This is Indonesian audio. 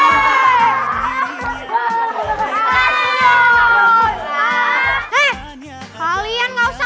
hei kalian gak usah ngata ngatain aku gak usah ngetawain aku